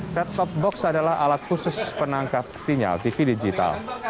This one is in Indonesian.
set top box adalah alat khusus penangkap sinyal tv digital